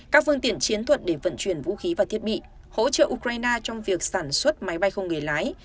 các phương tiện chiến thuật để vận chuyển vũ khí và thiết bị hỗ trợ ukraine trong việc sản xuất máy bay không người lái